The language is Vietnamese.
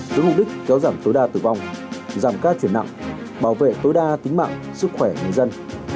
với mục đích kéo giảm tối đa tử vong giảm ca chuyển nặng bảo vệ tối đa tính mạng sức khỏe người dân